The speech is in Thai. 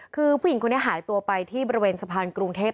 คือผู้หญิงคนนี้หายตัวไปที่บริเวณสะพานกรุงเทพ